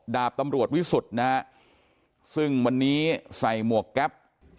ดาบตำรวจวิสุทธิ์นะฮะซึ่งวันนี้ใส่หมวกแก๊ป